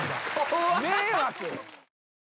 迷惑！？